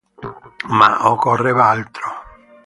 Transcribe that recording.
Ma occorreva altro.